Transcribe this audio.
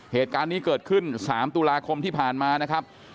เหตุการณ์นี้เกิดขึ้น๓ตุลาคมที่ผ่านมานะครับ